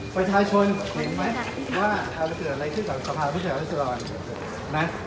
ประชาชนเห็นไหมว่าอาจจะเกิดอะไรขึ้นกับสภาพวิทยาลัยสรรค์นะ